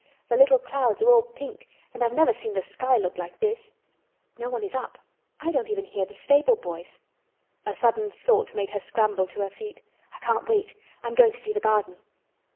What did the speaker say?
"The little clouds are all pink and I've never seen the sky look like this. No one is up. I don't even hear the stable boys." A sudden thought made her scramble to her feet. "I can't wait! I am going to see the garden!"